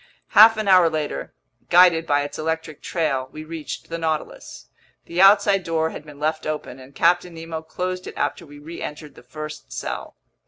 Half an hour later, guided by its electric trail, we reached the Nautilus. The outside door had been left open, and Captain Nemo closed it after we reentered the first cell.